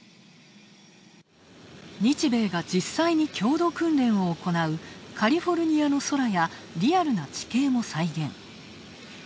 日米が実際に共同訓練を行うカリフォルニアの空やリアルな地形も再現。